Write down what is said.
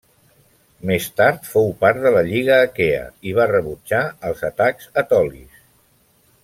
Més tard fou part de la Lliga Aquea i va rebutjar els atacs etolis.